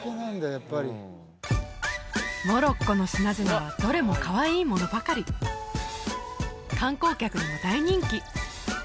やっぱりモロッコの品々はどれもかわいいものばかり観光客にも大人気！